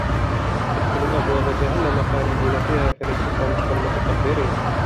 فادخلوا أبواب جهنم خالدين فيها فلبئس مثوى المتكبرين